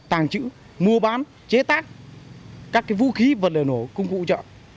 tàng trữ mua bán chế tác các cái vũ khí vật liệu nổ cung cụ trợ